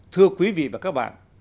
thưa quý vị và các bạn